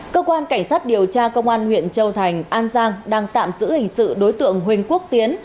cơ quan cảnh sát điều tra công an huyện châu thành an giang đang tạm giữ hình sự đối tượng huỳnh quốc tiến